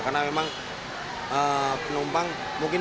karena memang penumpang mungkin